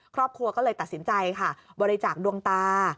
ครอบครัวก็เลยตัดสินใจค่ะบริจาคดวงตา